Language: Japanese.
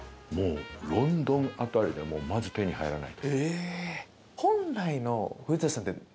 ロンドン辺りでも手に入らない。